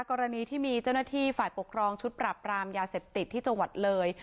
กรณีที่มีเจ้าหน้าที่ฝ่ายปกครองชุดปรับรามยาเสพติดที่จังหวัดเลย